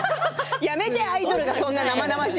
やめてアイドルが生々しい。